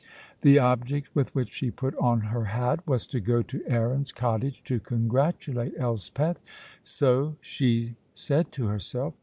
The object with which she put on her hat was to go to Aaron's cottage, to congratulate Elspeth. So she said to herself.